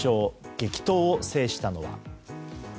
激闘を制したのは。